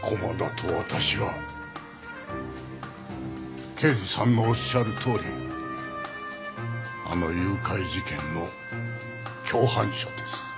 駒田と私は刑事さんのおっしゃるとおりあの誘拐事件の共犯者です。